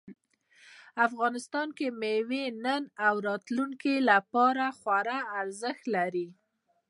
افغانستان کې مېوې د نن او راتلونکي لپاره خورا ارزښت لري.